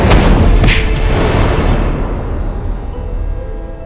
bukan diri tak tunjukkan